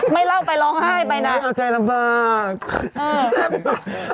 ไม่เล่าไปร้องไห้ไปนะอ๋อเอาใจลำบากนะครับเออ